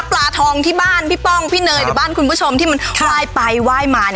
ปลาทองที่บ้านพี่ป้องพี่เนยที่บ้านคุณผู้ชมที่เชื่อก่อนไปเซร็จมา